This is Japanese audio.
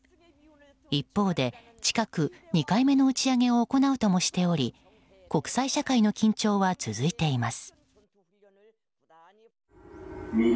一方で、近く、２回目の打ち上げを行うともしており国際社会の緊張は続いています。